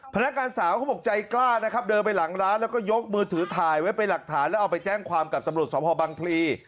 พนักงานสาวเขาบอกใจกล้านะครับเดินไปหลังร้านแล้วก็ยกมือถือถ่ายไว้เป็นหลักฐานแล้วเอาไปแจ้งความกับตำรวจสมภาพบังพลี